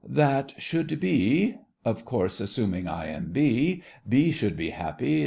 That should be (Of course, assuming I am B). B should be happy!